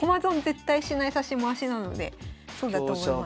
絶対しない指し回しなのでそうだと思います。